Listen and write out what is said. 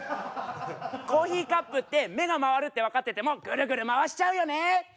コーヒーカップって目が回るって分かっててもぐるぐる回しちゃうよね！